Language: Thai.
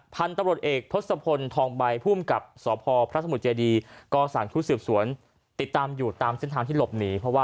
พันตรวจเอกพฤษพลทองใบผู้อุ่มกับสพพระสมุทรเจดีก็สั่งทุกษ์สืบสวนติดตามอยู่ตามเส้นทางที่หลบหนี